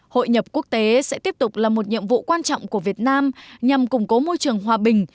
hội nhập quốc tế sẽ tiếp tục là một nhiệm vụ quan trọng của việt nam nhằm củng cố môi trường hòa bình